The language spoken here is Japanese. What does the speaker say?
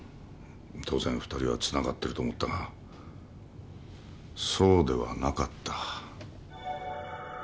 当然２人はつながってると思ったがそうではなかった。